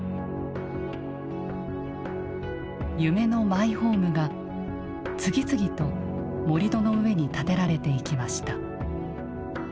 「夢のマイホーム」が次々と盛土の上に建てられていきました。